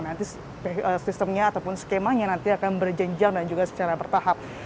nanti sistemnya ataupun skemanya nanti akan berjenjang dan juga secara bertahap